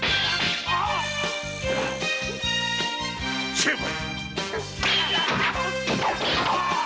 成敗！